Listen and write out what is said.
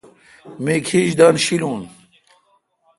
می کھیج دن شیلون۔